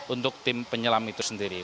untuk tim penyelam itu sendiri